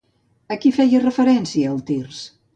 A qui feia referència, el tirs?